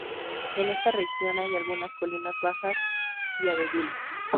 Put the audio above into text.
En esta región hay algunas colinas bajas y abedules.